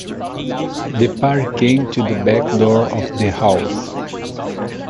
The party came to the back door of the house.